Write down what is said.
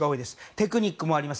テクニックもあります